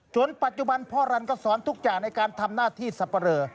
ปัจจุบันพ่อรันก็สอนทุกอย่างในการทำหน้าที่สับปะเรอ